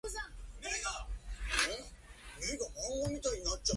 福島県桑折町